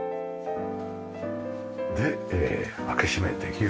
で開け閉めできる。